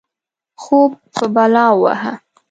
خوب په بلا ووهه.